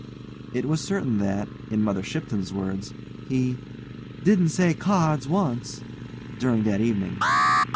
It was certain that, in Mother Shipton's words, he "didn't say cards once" during that evening.